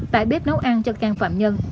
tại bếp nấu ăn cho căn phạm nhân